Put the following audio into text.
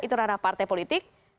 itu ranah partai politik